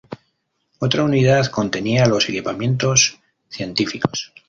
Otra unidad contenía los equipamientos científicos.